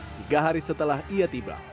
tiga hari setelah ia tiba